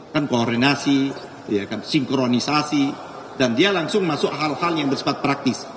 kan koordinasi sinkronisasi dan dia langsung masuk hal hal yang bersifat praktis